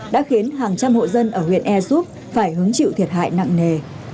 đã khiến hàng trăm hộ dân ở huyện ea súp phải hứng chịu thiệt hại nặng nề